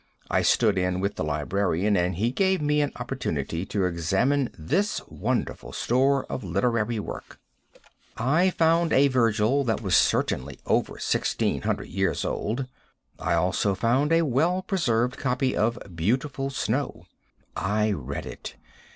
I stood in with the librarian and he gave me an opportunity to examine this wonderful store of literary work. I found a Virgil that was certainly over 1,600 years old. I also found a well preserved copy of "Beautiful Snow." I read it.